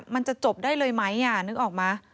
มันจะจบได้เลยไหมนึกออกไหม